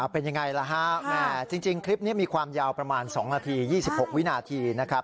เป็นยังไงล่ะฮะแม่จริงคลิปนี้มีความยาวประมาณ๒นาที๒๖วินาทีนะครับ